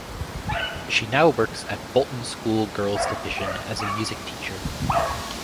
She now works at Bolton School Girls Division as a music teacher.